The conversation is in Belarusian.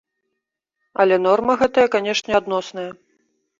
Але норма гэтая, канечне, адносная.